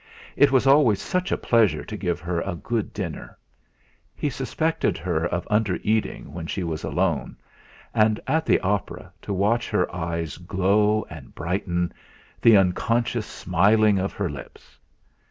It was always such a pleasure to give her a good dinner he suspected her of undereating when she was alone; and, at the opera to watch her eyes glow and brighten, the unconscious smiling of her lips.